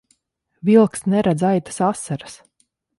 Vilks neredz aitas asaras.